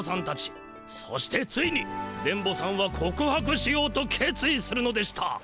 そしてついに電ボさんは告白しようと決意するのでした。